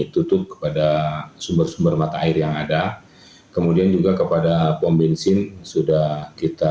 tutup kepada sumber sumber mata air yang ada kemudian juga kepada pom bensin sudah kita